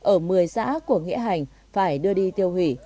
ở một mươi xã của nghĩa hành phải đưa đi tiêu hủy